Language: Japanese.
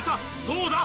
どうだ？